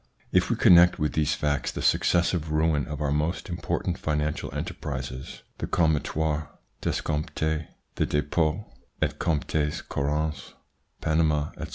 If we con nect with these facts the successive ruin of our most important financial enterprises (the Comtoir d'Escompte, the Depots et Comptes Courants, Panama, etc.)